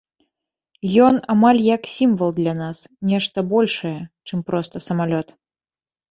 Ён амаль як сімвал для нас, нешта большае, чым проста самалёт.